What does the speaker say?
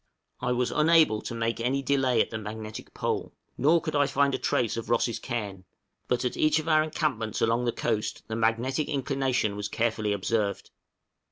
} I was unable to make any delay at the Magnetic Pole, nor could I find a trace of Ross' cairn; but at each of our encampments along the coast the magnetic inclination was carefully observed.